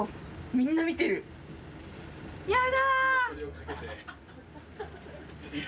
みんな見てるやだ！